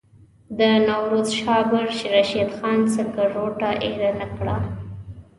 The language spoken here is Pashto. د نوروز شاه برج رشید خان سکروټه ایره نه کړه.